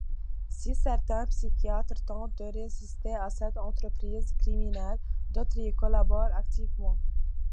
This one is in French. Si certains psychiatres tentent de résister à cette entreprise criminelle, d'autres y collaborent activement.